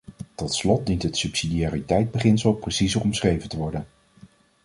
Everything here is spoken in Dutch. Tot slot dient het subsidiariteitsbeginsel preciezer omschreven te worden.